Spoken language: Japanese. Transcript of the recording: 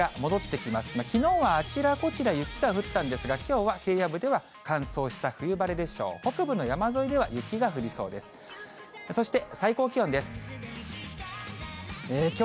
きのうはあちらこちら雪が降ったんですが、きょうは平野部では乾燥した冬晴れでしょう。